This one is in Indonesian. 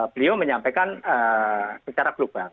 beliau menyampaikan secara global